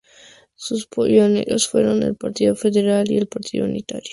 Sus pioneros fueron el Partido Federal y el Partido Unitario.